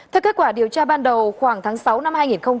theo kết quả điều tra ban đầu khoảng tháng sáu năm hai nghìn một mươi tám